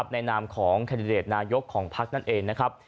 ในนามของแคนดิเดตนายกของพักนั่นเองนะครับ